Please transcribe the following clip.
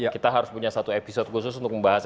kita harus punya satu episode khusus untuk membahasnya